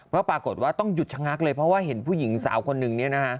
ก็ปรากฏว่าต้องหยุดชะงักเลยเพราะว่าเห็นผู้หญิงสาวคนหนึ่ง